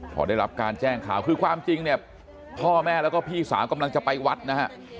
พอได้รับการแจ้งข่าวคือความจริงเนี่ยพ่อแม่แล้วก็พี่สาวกำลังจะไปวัดนะฮะ